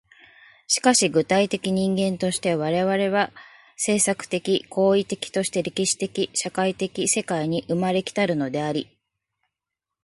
しかし具体的人間としては、我々は制作的・行為的として歴史的・社会的世界に生まれ来たるのであり、